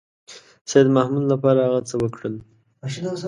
سیدمحمود لپاره هغه څه وکړل.